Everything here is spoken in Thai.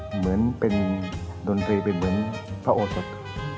เหมือนเป็นดนตรีเป็นเหมือนพระโอสด